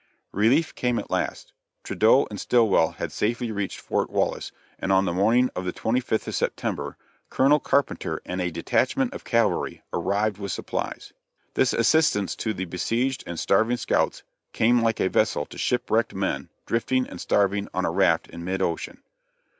Relief came at last. Tradeau and Stillwell had safely reached Fort Wallace, and on the morning of the 25th of September, Colonel Carpenter and a detachment of cavalry arrived with supplies. This assistance to the besieged and starving scouts came like a vessel to ship wrecked men drifting and starving on a raft in mid ocean.